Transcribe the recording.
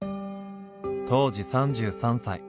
当時３３歳。